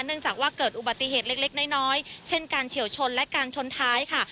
เนื่องจากว่าเกิดอุบัติเหตุเล็กน้อยเช่นการเฉียวชนและการชนท้ายค่ะ